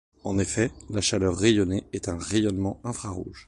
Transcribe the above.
En effet, la chaleur rayonnée est un rayonnement infrarouge.